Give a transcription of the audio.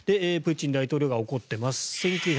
プーチン大統領が怒っています。